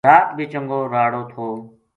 رات بھی چنگو راڑو تھو